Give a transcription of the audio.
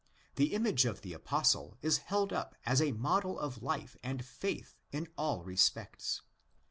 The image of the Apostle is held up as a model of life and faith in all respects.